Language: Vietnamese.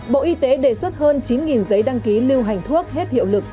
bộ y tế đề xuất hơn chín giấy đăng ký lưu hành thuốc hết hiệu lực